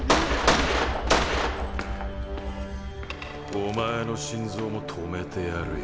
お前の心臓も止めてやるよ。